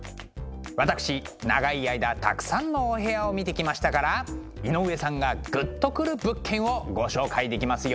私長い間たくさんのお部屋を見てきましたから井上さんがグッとくる物件をご紹介できますよ。